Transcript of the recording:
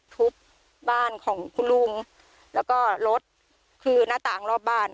ทุบบ้านของคุณลุงแล้วก็รถคือหน้าต่างรอบบ้าน